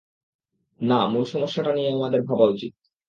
না, মূল সমস্যাটা নিয়ে আমাদের ভাবা উচিত!